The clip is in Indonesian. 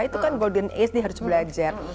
itu kan golden age nih harus belajar